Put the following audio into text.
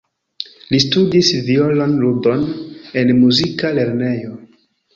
Li studis violon-ludon en muzika lernejo.